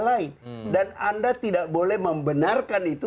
lain dan anda tidak boleh membenarkan itu